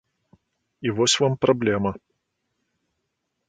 І вось вам праблема.